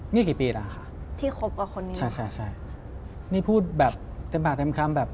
นี่กี่ปีแล้วค่ะใช่นี่พูดแบบเต็มผักเต็มคำ